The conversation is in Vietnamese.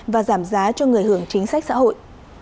và giảm giá cho người hưởng chính sách xã hội